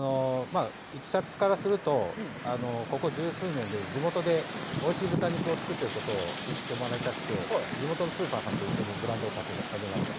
いきさつからすると、ここ十数年で地元でおいしい豚肉を作ってることを知ってもらいたくて、地元のスーパーさんと一緒にブランドを立ち上げました。